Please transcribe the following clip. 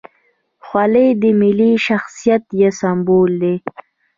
خولۍ د ملي شخصیت یو سمبول دی.